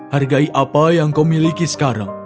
hargai apa yang kau miliki sekarang